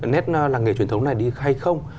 nét làng nghề truyền thống này đi hay không